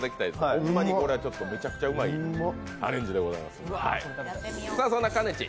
ホンマにこれはめちゃくちゃうまいアレンジでございます。